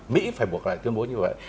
mỹ phải buộc lại tuyên bố như vậy